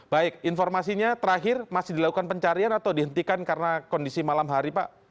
baik informasinya terakhir masih dilakukan pencarian atau dihentikan karena kondisi malam hari pak